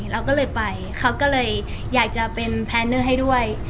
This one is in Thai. เราก็เลยไปเขาก็เลยอยากจะเป็นแพลนเนอร์ให้ด้วย